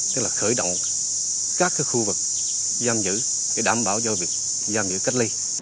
tức là khởi động các khu vực giam giữ để đảm bảo do việc giam giữ cách ly